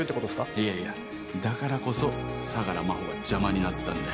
いやいやだからこそ相良真帆が邪魔になったんだよ。